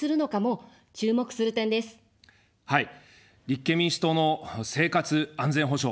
立憲民主党の生活安全保障。